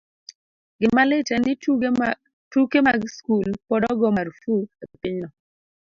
Gima lit en ni, tuke mag skul pod ogo marfuk e pinyno.